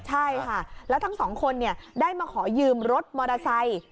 ใช่ค่ะแล้วทั้งสองคนได้มาขอยืมรถมอเตอร์ไซค์